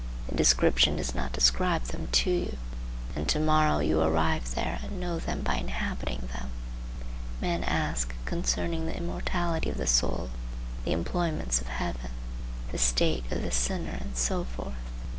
The description does not describe them to you, and to morrow you arrive there and know them by inhabiting them. Men ask concerning the immortality of the soul, the employments of heaven, the state of the sinner, and so forth.